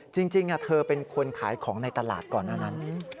จริงเธอเป็นคนขายของในตลาดก่อนหน้านั้น